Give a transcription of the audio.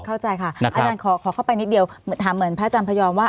เข้าใจค่ะอาจารย์ขอเข้าไปนิดเดียวถามเหมือนพระอาจารย์พยอมว่า